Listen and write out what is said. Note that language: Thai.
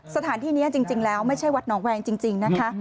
สถานที่นี้จริงแล้วไม่ใช่วัดหนองแวงจริงนะคะ